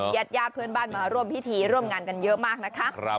แยดเพื่อนบ้านมาร่วมผิดฐีร่วมงานกันเยอะมากนะคะ